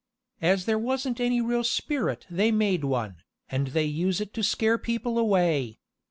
As there wasn't any real spirit they made one, and they use it to scare people away.